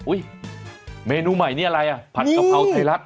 อุ๊ยเมนูใหม่นี่อะไรผัดกะเพราไทยรัฐ